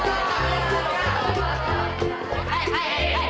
はいはいはいはい！